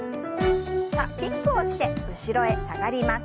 さあキックをして後ろへ下がります。